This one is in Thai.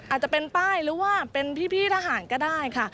อาจจะเป็นป้ายหรือว่าเป็นพี่ทหารก็ได้ค่ะ